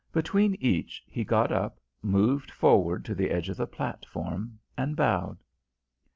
Between each, he got up, moved forward to the edge of the platform, and bowed.